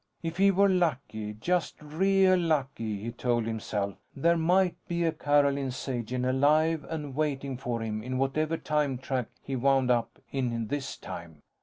If he were lucky, just real lucky, he told himself, there might be a Carolyn Sagen alive and waiting for him in whatever time track he wound up in this time.